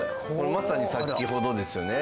「まさに先ほどですよね」